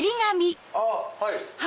あっはい。